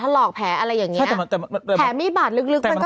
ถ้าหลอกแผลอะไรอย่างนี้แผลมิหบาดลึกมันก็ติดนะ